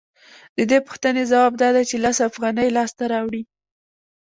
د دې پوښتنې ځواب دا دی چې لس افغانۍ لاسته راوړي